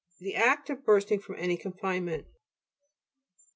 The act of bursting from any confinement.